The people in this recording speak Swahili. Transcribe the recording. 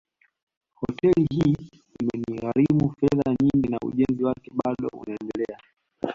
Hoteli hii imenigharimu fedha nyingi na ujenzi wake bado unaendelea